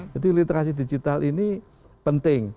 jadi literasi digital ini penting